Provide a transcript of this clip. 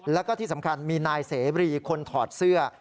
แล้วก็ที่สำคัญมีนายเสรีคนถอดเสื้อ